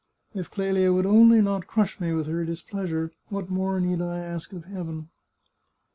If Clelia would only not crush me with her displeasure, what more need I ask of Heaven